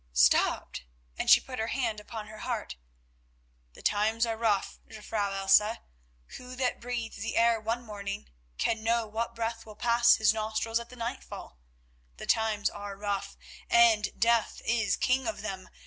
"Stopped?"—and she put her hand upon her heart. "The times are rough, Jufvrouw Elsa. Who that breathes the air one morning can know what breath will pass his nostrils at the nightfall? The times are rough, and Death is king of them.